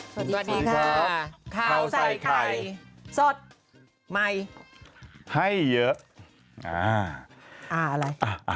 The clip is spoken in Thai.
สวัสดีค่ะข้าวใส่ไข่สดใหม่ให้เยอะ